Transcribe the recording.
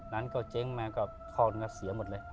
นั้นก็เจ๊งมาก็คลอดก็เสียหมดเลย